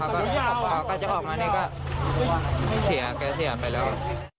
เขาก็จะออกมาแล้วก็เสียไปแล้ว